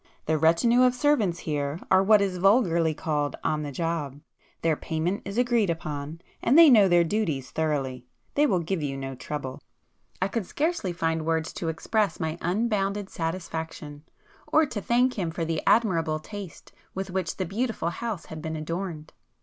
The retinue of servants here are what is vulgarly called 'on the job'; their payment is agreed upon, and they know their duties thoroughly,—they will give you no trouble." I could scarcely find words to express my unbounded satisfaction, or to thank him for the admirable taste with which the beautiful house had been adorned.